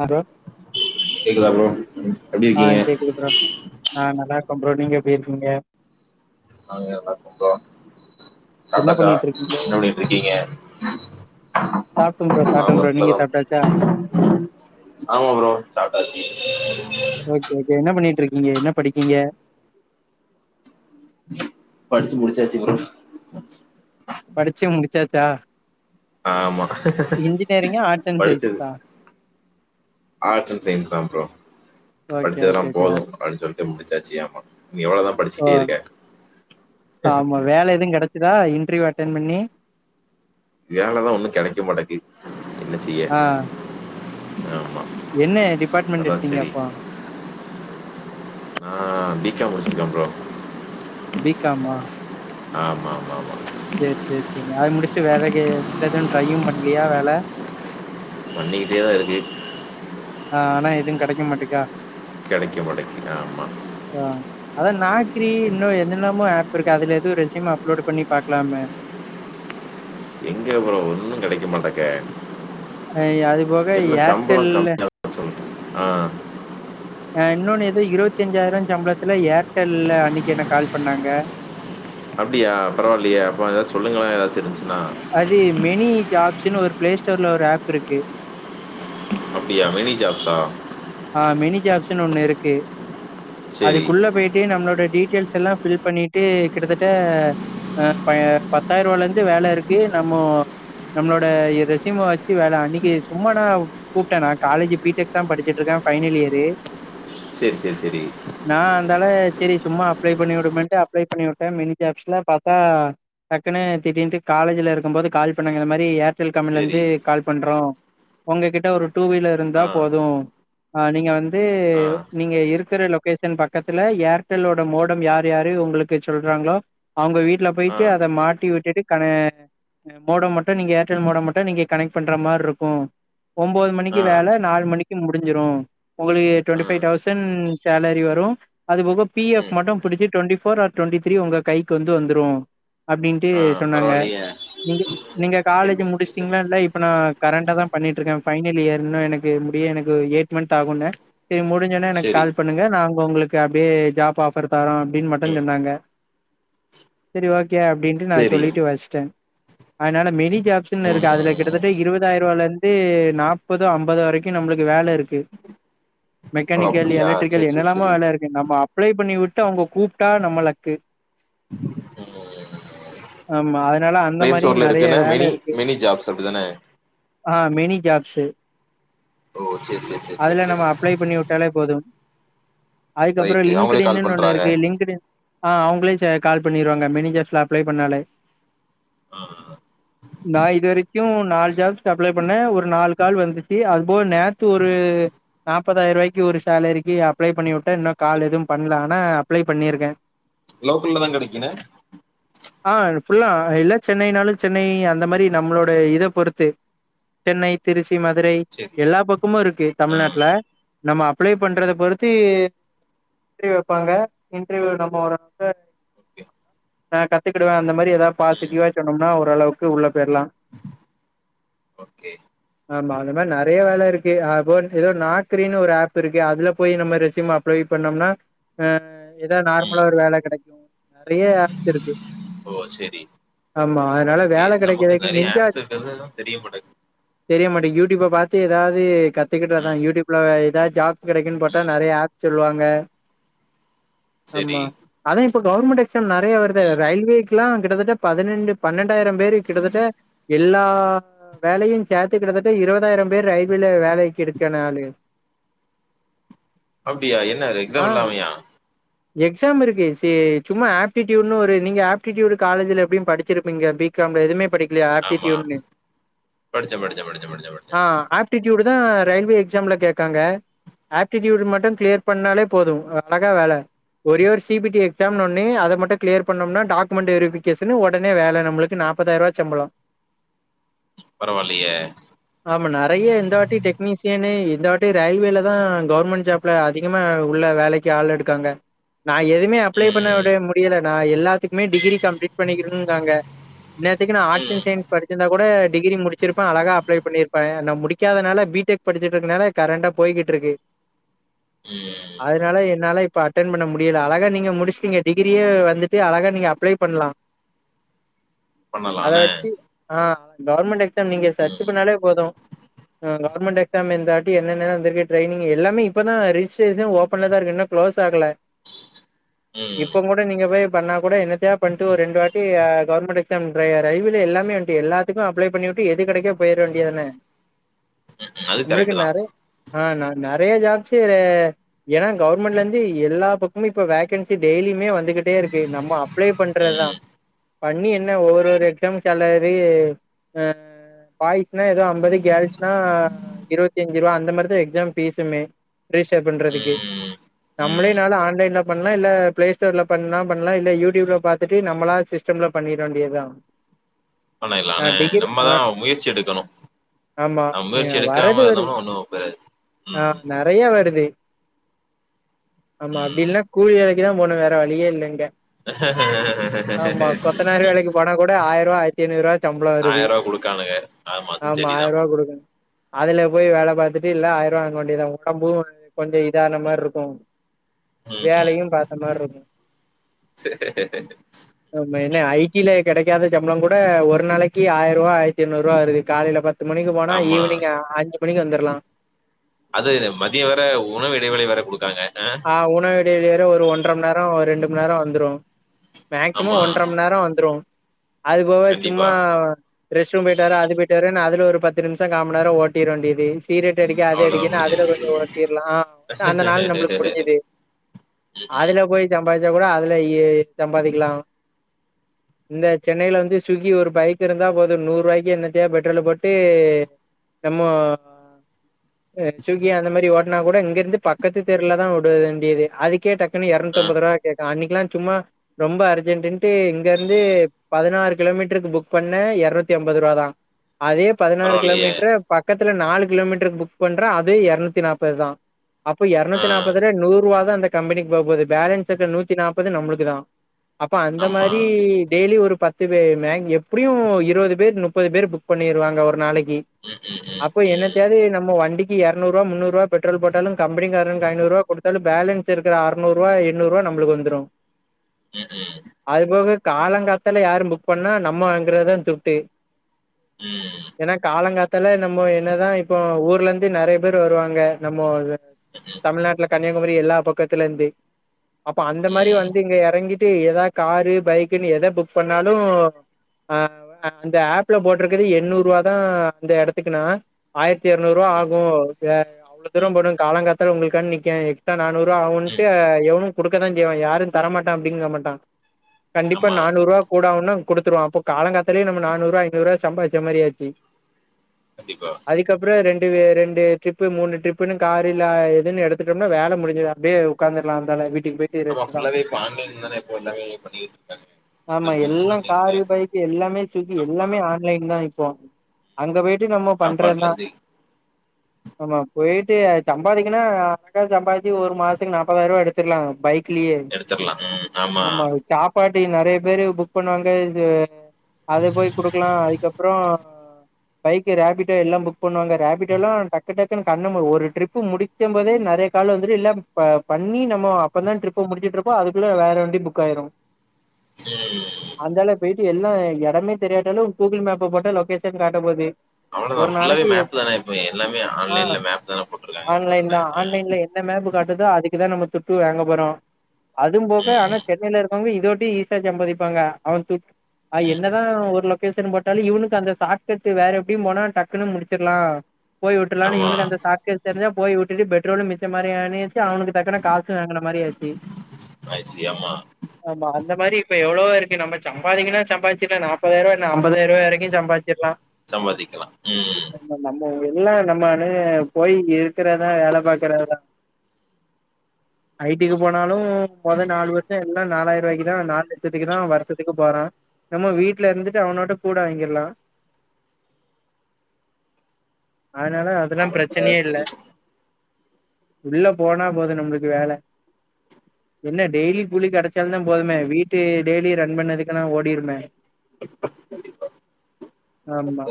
Hello கேக்குதா bro எப்டி ஆ இருக்கீங்க கேக்குது ப்ரோ ஆ நல்லாருக்க ப்ரோ நீங்க எப்டியிருக்கீங்க நாங்க நல்லாருக்க ப்ரோ என்ன சாப்டாச்சா பண்ணிட்டு இருக்கீங்க நுடி எப்டிருக்கீங்க சாப்ட்டே ப்ரோ ஆமா சாப்ட்டே ப்ரோ நீங்க ஒர்க்லதா சாப்ட்டாச்சா ஆமா ப்ரோ சாப்ட்டாச்சி இப்ப இப்போ என்ன பண்ணிட்டிருக்கீங்க என்ன படிக்கீங்க படிச்சு முடிச்சாச்சு ப்ரோ படிச்சு முடிச்சாச்சா ஆமா இன்ஜினியரிங்கா ஆர்ட்ஸ் அண்ட் படிச்சது சயின்ஸா ஆர்ட்ஸ் அண்ட் சயின்ஸ் தா ப்ரோ ஓகே படிச்சதெல்லா ஓகே ஓகே போது படுச்சு படுச்சு முடிச்சாச்சு ஆமா இனி எவ்ளோதா ஓ படிச்சுட்டே இருக்க ஆமா வேல எது கெடைச்சுதா இன்டர்யூ அட்டன் பண்ணி வேலதா ஒன்னு கெடைக்க மாட்டக்கு என்ன செய்ய ஆ ஆமா என்ன டிபார்ட்மெண்ட் அதா எடுத்தீங்க செரி அப்ப நா பி கா ம் முடிச்சிருக்க ப்ரோ பிகாமா ஆமா மா மா செரி செரி செரி அது முடிச்ட்டு வேலைக்கு வேற எது ட்ரையு பண்லயா வேல பண்ணிக்கிட்டே தா இருக்கு ஆனா எதுவு கெடைக்க மாட்டேக்கா கெடைக்க மாட்டேக்குது ஆமா ஏ அதா நாக்ரி இன்னோ என்னென்னமோ ஆஃப் இருக்கே அதுல எதுவு ரெஸ்யூம் அப்லோட் பண்ணி பாக்லாமே எங்க ப்ரோ ஒன்னு கெடைக்க மாட்டக்கே அ அது போக ஏர்டெல்ல சொல்ற ஆ ஆ இன்னொன் ஏதோ இருவத்தஞ்சாயிரோ சம்பளத்ல ஏர்டெல்ல அன்னிக் எனக் கால் பண்ணாங்க அப்டியா பரவால்லியே அப்போ ஏதா சொல்லுங்களே ஏதாச்சிருந்துச்சுன்னா அது மெனி ஜாப்ஸ்ன்னு ஒரு ப்ளே ஸ்டோர்ல ஒரு ஆப் இருக்கு அப்டியா மெனி ஜாப்ஸா ஆ மெனி ஜாப்ஸ்ன்னு ஒண்ணு இருக்கு சரி அதுக்குள்ள போய் டு நம்ளோட டீட்டெய்ல்ஸ் எல்லா ஃபில் பண்ணிட்டு கிட்டத்தட்ட ஆ ப பத்தாயிருவாலேந்து வேல இருக்கு நம்மோ நம்ளோட இ ரெசிம வெச்சி வேல அன்னிக்கி சும்மா நா கூப்ட்டே நா காலேஜி பீ டெக் தா படி சிட்ருக்கே ஃபைனல் இயரு சேர் சேர் செரி நா அந்தாள செரி சும்மா அப்ளை பண்ணி உடுமேன்ட்டு அப்ளை பண்ணி உட்டே மெனி ஜாப்ஸ்ல பாத்தா டக்குனு திடீன்ட்டு காலேஜுல இருக்கம்போது கால் பண்ணாங்க இந்த மாரி ஏர் டெல் சரி கம்பென்லேந்து கால் பண்றோ உங்ககிட்ட ஒரு டூ வீலருந்தா ஆ போது அ நீங்க வந்து ஆ நீங்க இருக்குற லொக் கேஷன் பக்கத்துல ஏர்டெல்லோட மோடம் யாரு யாரு உங்களுக்குச் சொல்றாங்ளோ அவ்ங்க வீட்ல ஆ போய்ட்டு அத மாட்டி விட்டுட்டு கன மோடம் மட்டு நீங்க ஏர்டெல் மோடம் மட்டு நீங்க கனெக்ட் பண்ற மார் இருக்கு ஒம்போது மணிக்கி ஆ வேல நால் மணிக்கி முடிஞ்சிரு உங்களுக்கு ஆ டொன்டிஃபை தௌசன் சேலரி வரு அது போக பி எஃப் ம் மட்டு புடிச்சி twenty four or twenty three உங்க கைக்கு வந்து வந்த்ரு அப்டின்ட்டு ஆ சொன்னாங்க பரவாயில்லையே நீங்க ம், நீங்க காலேஜ எது- முடிஷ் எது? டீங்னா இல்ல இப்ப நா கரன்ட்டா தா பண்ணிட்ருக்க ஃபைனல் இயர்ன்னு எனக்கு முடிய எனக் கு எய்ட் மந்த் ஆகுன்ன செரி முடிஞ்சொன்னே எனக்கு சரி கால் பண்ணுங்க நாங்க உங்களுக்கு அப்டியே ஜாப் ஆப் ஃபர் தரோ அப்டின் மட்டஞ் சொன்னாங்க செரி ஓகே அப்டின் நா சரி சொல்லிட்டு வஸ்டே அய்னால மெனி ஜாப்ஸ்ன்னு ம் இருக்கு அதுல கிட்டத்தட்ட இருவ ஞ்சாயிருவாலேர்ந்து நாப்பது ஐம்பது வரைக்கு நம்பளுக்கு வேல இரு கு ஓ மெக்கானிக்கல் அப்படியா சரி எலக்ட்ரிக்கல் சரி என்னெல்லாமோ சரி வேல இரு க்கு நம்ம அப்ளை பண்ணி விட்டு அவ்ங்க கூப்ட்டா நம்ம லக்கு ம் ஆமா அதனால அந்த மாரியு நறைய வேல இருக்கு சொ அப்டிதான ஆ மெனி ஜாப்ஸு ஓ செர் செ அதல நம்ம அப்ளை பண்ணி உட்டாலே போது அதுக்கப்றோ ரைட்டு அவங்களே லிங்க்டு கால் இன்னு ஒண்ணு பண்ணுறாங்க இருக்கு லிங்க்டு ஆ அவுங்ளே சே கால் பண்ணிருவாங்க மெனி ஜாப்ஸ்ல அப்ளே பண்ணாலே ஆ ஆ நா இது வரைக்கு நால் ஜாப்ஸ்க்கு அப்ளே பண்ண ஒரு நால் கால் வந்துச்சு அதுப்போ நேத்து ஒ ரூ நாப்பதாயிருவாய்க்கு ஒரு சேலரிக்கு அப்ளே பண்ணிவுட்டு இன்னோ கால் எதோ பண்லா அனா அப்ளை பண்ணிருக்கே [inaudible] லோக்கல்லதா கெடைக்குன்ன ஆ ஃபுல்லா எல்லா சென்னைனாலு சென்னை அந்த மாரி நம்ளோட இத பொருத்து சென்னை திருச்சி மதுரை சரி எல்லா பக்கமு இருக்கு ஆ தமிழ்நாட்ல நம்ம அப்ளே பண்றத பொருத்தி இன்ட்ரீவ் வெப்பாங்க இன்ட்ரீவ் நம்ம ஒரு [inaudible] ஓகே. ஆ கத்துக்குடுவே அந்த மாரி எதா ம். பாசிடிவ்வா சொன்னோம்னா ஒரளவுக்கு உள்ள போயிர்லா ஒக்கே ஆமா அந்த மர் நறைய வேல இருக் அ போன்ஸ் எதோ நாக்ரினு ஒரு ஆப் இருக்கு அதுல போய் நம்ம ரெசிம்ம அப்ளை பண்ணம்னா அ எதா ம். நார்மலா ஒரு வேல கெடைக்கு நறைய ஆப்ஸ் இருக்கு ஓ சேரி ஆமா அதனால ஓக்கே வேல நமக்கு கெடைக்கிறதுக்கு நறைய நெஞ்சா ஆப்ஸ் இருக்கற்தேதா தெரியமாட்டங் தெரிய மாட்டேங் யூட்யூப்ப பாத்து எதாவ்த் து கத்துக்கிட்டதா ம், யூட்யூப்ல எதாத் ஜாப்ஸ் கெடக்குன் பாத்தா ம். நறைய ஆப் சொல்வாங்க சரி. ஆம்மா அதா இப்ப கவுர்மண்ட் எக்ஸாம் நறைய வருது ம். ரயில்வேக்குலா கிட்டத்தட்ட பதுனென்டு பன்னண்டாயிர பேர் கிட்டத்தட்ட எல்லா வேலையு சேத்து கிட்டத்தட்ட இருவாதாயிரம் பேர் ரைட் பீல்லே வேலைக் எடுக்க நலு அப்டியா என்ன அது ஆ எக்ஸாம் இல்லாமையா [inaudible] எக்ஸாம் இருக்கு சே சும்மா ஆப்டிட்யூட்னு ஒரு நீங்க ஆப்ட்டிட்யூடடு காலேஜ்ல எப்டியு படிச்சிருப்பீங்க பீக் காம்ல எதுமே படிக்லியா ஆமா. ஆப்டிட்யூட்னு படிச்சேன், படிச்சேன், படிச்சேன், படிச்சேன், ஆ படிச்சேன். ஆப்ட் டிட்யூடுதா ரயில்வே எக்ஸாம்ல கேக்காங்க ஆப்டிட்யூடு மட்டு க்ளியர் பண்ணாலே போது அழகா வேல ஒரே ஒரு சிபிடி எக்ஸாம்னு ஒன்னு அத மட்டு க்ளியர் பண்ணம்னா டாக்குமெண்ட் வெரிபிகேஷன் ஒடனே வேல நம்ளுக்கு நா பத்தாயர்வா சம்பளோ பரவால்லியே ஆம நறைய இந் இந்த வாட்டி டெக்னீசியன் இந்த வாட்டி ரயில்வேல தா கவுர்மண்ட் ஜாப்ல அதிகமா உள்ள வேலக் கி ஆள் எடுக்காங்க நா எதுமே அப்ளோ ம், பண்ணவிட முடியல நா எல்லாத்துக்குமே டிகிரி கம்ப்ளீட் பண்ணிக்கினுங்காங்க என்னேத்துக்கு நா ஆட்ஸ் அண் ம், சைன்ஸ் படிச்சிர்ந்தா கூட டிகிரி முடுச்சிருப் ப அழகா அப்ளை பண்ணிருப்பே நா முடிக்காதனால பீடெக் படிச்சட்ருக்கனேல கரட்டா போய்கிட்ருக்கு ம். அதுனால என்னால இப் இப்ப அட்டென் பண்ண முடியல அழகா நீங்க முடுச்ட்டீங்க டிகிரியே வந்துட்டு அழகா நீங்க அப்ளை பண்லா பண்ணலாம் அத என்ன? வச்சு ஆ கவுர்மண்ட் எக்ஸாம் நீங்க சர்ச்சு ம், பன்னாலே போது அ கவுர்மண்ட் எக்ஸாம் எந்த வாட்டி என்னென்ன வந்துருக்கு ட்ரைனிங் எல்லாமே இப்பதா ரிஸ்ட்டேஷன் ஓப்பன்லதா இருக்கு இன்னு க்ளோஸ் ஆகல ம். இப்போ மொட் நீங்க போய் பண்ண கூட என்னத்யா பண்ட்டு ஓ ரெண்டு வாட்டி கவுர்மண்ட் எக்ஸாம் ட்ரைய ரயில்வே எல்லாமே வந்ட்டு எல்லாத் திக்கு அப்ளோ பன்னிவுட்டு எது கடைக்கோ போயிர வேண்டியதான ம்ஹ்ம். அது நம்ளுக்கு கரெக்ட்டு தான். நிறைய ஆ நறைய ஜாப்சி ஏன்னா கவுர்மண்ட்லேந்து எல்லா பக்கமும் இப்ப வேகன்சி டெய்லியுமே வந்துகிட்டே இருக்கு நம்ம ப்ளே பண்றத்தா ம், பண்ணி என்ன ஒவ்வொரு ஒரு எக்ஸாம் செலரி அ பாய்ஸ்னா எதோ அம்பது கேல் அ இருவத்தி அஞ்சுருவா அந்த மரிதா எக்ஸாம் ஃபீஸுமே ரீஸ்டர் பண்றதுக்கு ம், நம்ளே ம். நாலு ஆன்லைன்ல பண்ணலா இல்ல ப்ளேஸ் ஸ்டர்ல பண்ணா பண்லா இல்ல யூட்யூப்ல பாத்துட்டு நம்மளா சிஸ்டம்ல பண்ணிட வேண்டியதா நா பண்ணைலான டிகிரி ஆ நம்மதா முயற்சி எடுக்கணு ஆமா அ முயற்சி எடுக்காம வரது இருந்தோம்னா ஒன்னு பெறாது ம் நையா வருது ஆமா அப்டி ம். இல்னா கூலி வேலக் கிதா போனு வேற வழியே இல்ல இங்க இன் ஆமா ஆடியபிள் கொத்தனார் வேலைக்கு போனா கூட ஆயருவா ஆயர்த்தி ஐநூறு சம்ள வருது ஆயிர ரூவா குடுக்கானுங்க அதுவு ஆமா சரிதா ஆயருபா குடுக்கணு அதுல போய் வேல பாத்துட்டு இல்ல ஆயிர்வா வாங்க வேண்டியதா [unintelligible] கொஞ்ச இதான மாரிருக்கு ம் ம் வேலையு பாத்த மாரிருக்கு சரி. நம்ப என்ன ஜ டி ல கெடைக்காத சம்பளம் கூட ஒரு நாளைக்கு ஆயிர்வா ஆயிரத்தி எர்நூறுவா வருது காலைல பத்து மணிக் போனா ஆமா ஈவினிங் அஞ்சு மணிக்கு வந்துர்லா அது மதியோ வேற உணவு இடைவெளி வேற கொடுக்காங்க ஹ ஆ உணவு இடவேல ஒரு ஒன்ற மண்நேரோ ஒரு ரெண்டு மண்நேரோ வந்துரு மேக்சிமம் ஆமா ஒன்றமந்நேரோ வந்துரு அது போக சும்மா கண்டிப்பா ரெஸ்டும் போயிட்டு வர அதுபோய்யிட்டுவரன்னு அது ஒரு பத்து நிமிஷ காமண்நேரோ ஓட்டிர் வேண்டியது சீகரெட் அடிக்க அத அவ்ளோதா அடிக்கன்னு அதுல முடிஞ்சுது கொஞ்ச உரத்தீரலா அந்த நாள் நம்ளுக்கு அதுல போய் சம்பாதிச்சா கூட அதுலயே சம்பாதிக்கலா இன் ஆடியபிள் இந்த சென்னைல வந்து சுவ்கி ஒரு பைக் இருந்தா போது நூறு ரூபாய்க்கு என்னத்தா பெட்ரோல் போட்டு நம்ம சுகி அந்த மாதிரி ஓட்னா கூட இங்க இருந்து பக்கத்து தெ ல தா விடுது வேண்டியதுக்கே அதுக்கே டக்குனு ஆ இரநூத்தம்பதுரூபா கேக்கறா அன்னைக்குலா சும்மா ரொம்ப அர்ஜென்டன்ட்டு இங்க இருந்து பதினாறு கிலோமீட்டருக்கு புக் பண்ண இரநூத்தி ஐம்பது ரூபா தா அதே பதினாறு பரவாயில்லையே கிலோமீட்டர் பக்கத்துல நாலு கிலோமீட்டரு புக் பண்ற அதே இருநூத்தி நாப்பது தா அப்போ ஆ நூத்தி நாற்பதுல நூர்ருவா தா அந்த கம்பெனிக்கு போக போகுது பேலன்ஸ் இருக்க நூத்தி நாற்பது நம்ளுக்கு தா அப்ப அந்த ஆமா மாரி டெய்லி ஒரு பத் து பே எப்டியு இருவது பேர் முப்பது பேர் புக் பண்ணிருவாங்க ஒரு நாளைக்கு உம் உம் உம் அப்போ என்ன தோவது நம்ம வண்டிக்கு இருநூறுர்வா முன்னூர்பா பெட்ரோல் போட்டு கம்பனிகார ஐநூறு ரூபா கொடுத்தால பேலன்ஸ் இருக்க அற்நூறு ரூபா எண்ணூறு நம்ளுக்கு வந்துடு உம் உம் அது போக காலங்காத்தால யாரு புக் பண்ணா நம்ம வாங்கறதா சிவ்ட்டு ம் ம் ஏனா காலங்காத் தால நம்ம என்னதா இப்போ ஊர்ல இருந்து நெறைய பேர் வருவாங்க நம்ம தமிழ்நாட்டுல கன்னியாகுமரி எல்லா பக்கத்துல இருந்து அப்ப அந்த மாரி ம் ம் வந்து இங்க இறங்கி ஏதாவது காரு பைக்ன்னு எத புக் பண்ணாலு ஆ அந்த ஆப்பல போட்டிருக்கது எண்ணூறு ரூவா தான் அந்த இடத்துக்குனா ஆயிரத்தி இரநூறு ரூவா ஆகு அவ்வள ம் தூரபோனு காலங்காத்தால உங்களுக்கானு நிக்கே நானூறு ரூபா ஆவுன்ட்டு ம் எவ்வளு குடுக்கதா செய்வா யாரு தரமாட்டே அப்டிங்க மாட்டா கண்டிப்பா ஆமா நானூறுவா கூடஆகும்வா கூடுத்துடுவ அப்ப காலேய நூறுபா சம்பாச்ச மாதிரியாச்சு கண்டிப்பா அதுக்கப்றோம் ரெண்டு ரெண்டு டிரிப்பு மூனு டரிப்புன்னு காரு எல்லா இதுனு எடுத்துட்டோம்னா வேல முடிஞ்சுது அப்டியே உக்காந்துடுலாந்தா வீட்டுக்கு போய் ஆமா ஃபுல்லாவே இப்ப ஆன்லைன் தான இப்போ எல்லாமே பண்ணிட்டு இருக்காங்க ஆமா எல்லாமே எல்லா ஆன்லைன்ல காரு பைக்கு எல்லாமே சுவுங்க்கி ஆமா எல்லாமே ஆ லைன் தா இப்போ அங்க போய்ட்டு நம்ம சாப்பாட்ல பண்றதா இருந்து ஆமா போயிட்டே சம்பாதிக்ன்னா அக்கா சம்பாதிச் ஒரு மாசத்துக்கு நாற்பதாயிரம் ரூபா எடுத்துக்கலா பைக் [unintelligible] எடுத்துர்லா ம் ஆமா சாப்பாட்டு நெறைய பேரு புக் பண்ணுவாங்க அது போய் குடுக்கலா அதுக்கப்றோ பைக் ரேபிடோ எல்லாம் புக் பண்ணுவாங்க ராபிடோ எல்லா டக்கு டக்குன்னு கண்ண ஒரு ட்ரிப் ப்பு முடிக்கம் போதே நெறைய கால் வந்துட்டு இல்ல ப பண்ணி நம்ம அப்பதா டிரிப்ப முடிச்சி டிரிப் ப்ப அதுக்குள்ள வேற வண்டி புக் ஆயிரும் ம் அந்தால போயிட்டு எல்லா எடமே தெரியாட்டாலு கூகுள் மேப்ப போட்டா லொகேஷன் காட்ட போது அவ்ள தா ஒரு ஃல்லாவே நாளைக்கு எப் மேப்பு தா எப்மே எல்லாமே ஆ ஆன்லைன்ல மேப் தான போட்ருக் ஆன்லைன் தா ஆன்லைன்ல என்ன மேப்பு காட்டுதோ அதுக்குதா நம்ம துட்டு வாங்க போறோ அதும் போக்க ம் ஆனா ம் சென்னைல இருக்கவங்க இதோட்டி ஈசியா சம்பாதிப்பாங்க அவன் துட் ஆ ம் என்ன தா ஒரு லொக்கேசன் போட்டாலு இவனுக்கு அந்த சாட் கட்டு வேற எப்டியு போனா டக்குன்னு முடிச்சிட்லா போய் விட்ருலான்னு ஆமா இனுக்கு அந்த சாட்கட் தெரிஞ்சா போய் வுட்டுட்டு பெட்ரோலு மிச்ச மாரி ஆனேச்சு அவனுக்கு டக்குன காசு வாங்குன மாரி ஆச்சு ஆயிச்சு ஆமா ஆமா அந்த மாரி இப்ப எவ்ளவோ இருக்கு நம்ம சம்பாதிக்கனு சம்பாச்சி என்ன நாப்பதாயிவா என்ன ஐம்பதாரூவா வரைக்கு சம்பாச்சிக்லா சம்பாதிக்லா ம் நம்ம நம்ம எல்லா நம்மானு போய் இருக்குறதா வேல பாக்குறதா ஐ டிக்கு போனாலு மொத நாலு வருஷோ எல்லா நாலாயிரூவாய்க்கு தா நாலு இஷ்டதுக்கு தா வருஷத்துக்கு போறா நம்ம வீட்ல இருந்துட்டு அவனோட கூட வாங்கிற்லா அதனால அதெல்லா பிரெச்சனயே இல்ல உள்ள போனா போது நம்ளுக்கு வேல என்ன டெய்லி கூலி கெடச்சாலுந்தா போதுமே வீட்டு டெய்லி ரன் பண்ணதுக்கு ஆனா ஓடிருமே கண்டிப்பா ஆமா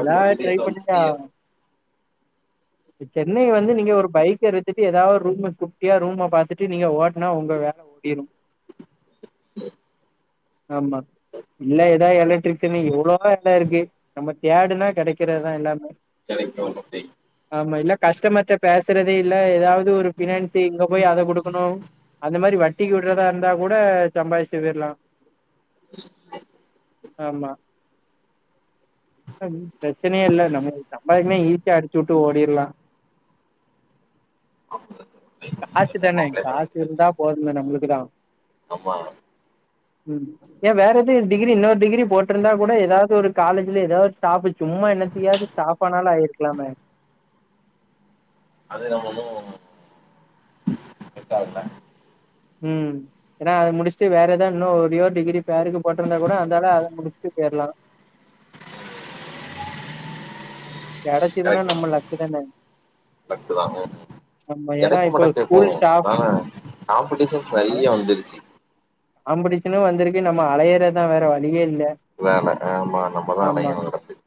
எதா ட்ரை பண்ணுங்க இந்த சென்னை வந்து நீங்க ஒரு பைக்க எடுத்துட்டு ஏதா ரூம்ம குட்டியா ரூம்ம பாத்துட்டு நீங்க ஓட்னா ஒங்க வேல பேய்ரும் ஆமா இல்ல ஏதா எலக்ட்ரிக்ஸனு எவ்ளோ வேல இருக்கு நம்ம தேடுனா கெடக்குறதுதா எல்லாமே [unintelligible] ஆமா இல்ல கஸ்டமர்ட்ட பேசறதே இல்ல ஏதாவ து ஒரு பினான்சி இங்க போய் அத குடுக்கணு அது மாரி வட் டிக்கு விட்றதா இருந்தா கூட சம்பாரிச்சி போய்ர்லா ஆமா பிரெச்சனயே இல்ல நமக் சம்பாதிக்குனா ஈ சியா அடிச்சு வுட்டு ஓடிர்லா காசு தான அப்ளை பண்ண காசு வேண்டியதா இருக்கு. இருந்தா போதும்ல நம்மளுக்குதா ஆமா ம் ஏ வேற ஏது டிகிரி இன்னொரு டிகிரி போட்ருந்தா கூட ஏதாது ஒரு காலேஜ்ல ஏதா ஒரு ஸ்டாஃப்பு சும்மா என்னத்தயாது ஸ்டாஃப் ப்பனாலு ஆயிர்க்லாமே அது நம்ம இன்னு செட்டாகல ம் ஏனா அது முடிச்சுட்டு வேற ஏதா இன்னு ஒரே ஒரு டிகிரி பேருக்கு போட்ருந்தா கூட அந்தால அத முடிச்சுட்டு பேய்ர்லா கெடச்சிதுனா கெடைக்கல நம்ம லக்கு தான லக்கு தா ம் ம் ஏன்னா கெடக்கு இப்போ மாட்டக் கேப்போ ஸ்கூல் ஸ்டாஃப் அ காம்படிஷன்ஸ் அதா நெறையா வந்துருச்சு காம்படிஷனு வந்துருக்கு நம்ம அலையறதா வேற வழியே இல்ல வேல ஆமா நம்மதா ஆமா அலையனு கெடந்து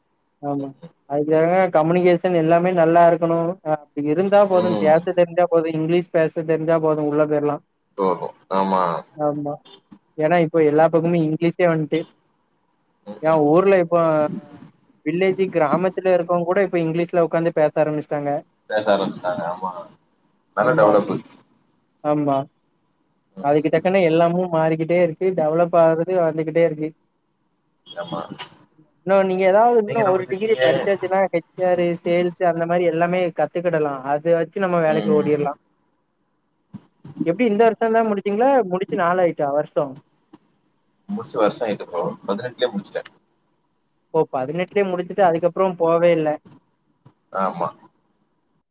ஆமா அதுக்காக கம்யூனிகேஷன் எல்லாமே நல்லா இருக்கணு அப்டி இருந்தா போது ம் கேஸ் [unintelligible] தெரிஞ்சா போது இங்லீஷ் பேச தெரிஞ்சா போது உள்ள போய்ர்லா ஓஹோ ஆமா ஆமா ஏனா இப்போ எல்லா பக்கமு இங்கிலீஷே வன்ட்டு ம் ஏ ம் ஊர்ல இப்போ வில்லேஜு கிராமத்துல இருக்கவே கூட இப்ப இங்லீஷ்ல உக்காந்து பேச ஆரம்பிச்சிட்டாங்க பேச ஆரம்பிச்சுட்டாங்க ஆமா நல்லா ஆமா டெவலப்பு ஆமா ம் ம் அதுக்கு தக்கன எல்லாமு மாறிக்கிட்டே இருக்கு டெவலப் ஆகு [unintelligible] வந்துக்கிட்டே இருக்கு ஆமா இன்னு நீங்க ஏதாது இன்னு நீங்க என்ன ஒரு டிகிரி முடிச்சிருக்கீங்க படிச்சாச்சுனா சேரு சேல்ஸ் அந்த மாரி எல்லாமே கத்துக்கிடலா அத வச்சு நம்ம வேலைக்கு ம் ஓடிர்லா எப்டி இந்த வருஷோந்தா முடிச்சீங்களா முடிச்சு நாளா ஆயிட்டா வருஷோ முடிச்சு வருஷோ ஆய்ட்டு ப்ரோ பதினெட்லே முடிச்சுட்ட ஓ பதினெட்லே முஞ்சுட்டு அதுக்கப்புறோ போவே இல்ல ஆமா